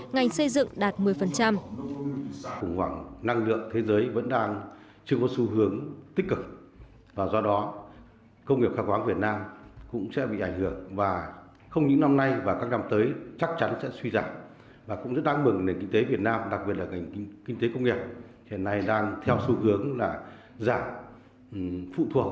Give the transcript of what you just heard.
ngành xây dựng đạt một mươi một chín ngành xây dựng đạt một mươi một chín